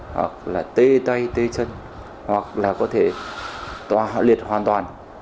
hoặc là tê tay tê chân hoặc là có thể tỏa liệt hoàn toàn